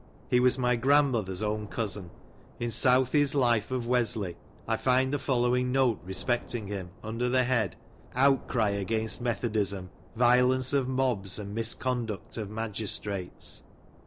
He was my grandmother's own cousin. In Southey's Lift of W r esley, I find the following note respecting him, under the head, " Outcry against Methodism. — Violence of Mobs, and Misconduct of Magistrates.